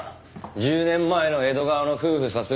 １０年前の江戸川の夫婦殺害事件